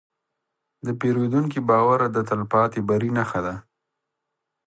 د پیرودونکي باور د تلپاتې بری نښه ده.